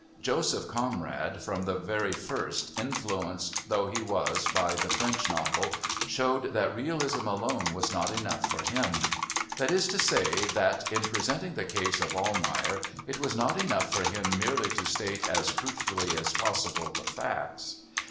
Joseph Conrad, from the very first, influenced though he was by the French novel, showed that Realism alone was not enough for him. That is to say that, in presenting the case of Almayer, it was not enough for him merely to state as truthfully as possible the facts.